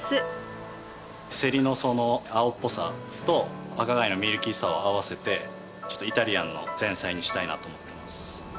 セリの青っぽさと赤貝のミルキーさを合わせてちょっとイタリアンの前菜にしたいなと思っています。